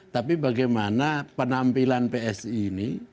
tapi bagaimana penampilan psi ini